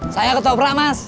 saya ketoprak mas